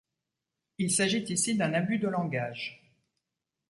Il s'agit ici d'un abus de langage.